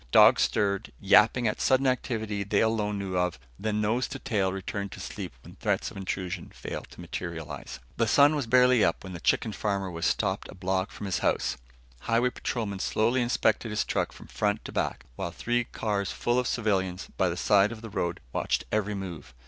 Dogs stirred, yapping at sudden activity they alone knew of, then nose to tail, returned to sleep when threats of intrusion failed to materialize. The sun was barely up when the chicken farmer was stopped a block from his house, Highway patrolmen slowly inspected his truck from front to back, while three cars full of civilians, by the side of the road, watched every move.